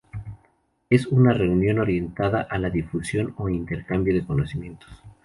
Es una reunión orientada a la difusión o intercambio de conocimientos.